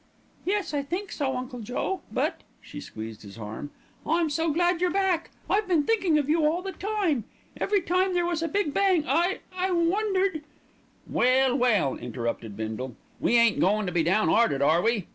"Yes, I think so, Uncle Joe, but," she squeezed his arm, "I'm so glad you're back. I've been thinking of you all the time. Every time there was a big bang I I wondered " "Well, well!" interrupted Bindle, "we ain't goin' to be down 'earted, are we?